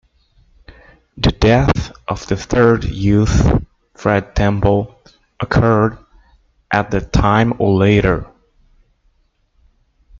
The death of the third youth, Fred Temple, occurred at that time or later.